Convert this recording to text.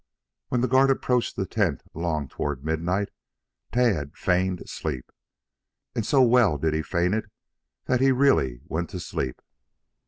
When the guard approached the tent along toward midnight, Tad feigned sleep, and so well did he feign it that he really went to sleep.